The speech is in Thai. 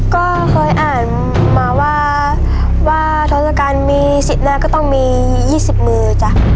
ก็เคยอ่านมาว่าว่าทศกัณฐ์มีสิบแล้วก็ต้องมียี่สิบมือจัง